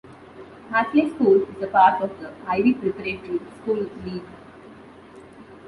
Hackley School is a part of the Ivy Preparatory School League.